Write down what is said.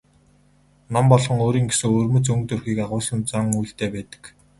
Ном болгон өөрийн гэсэн өвөрмөц өнгө төрхийг агуулсан зан үйлтэй байдаг.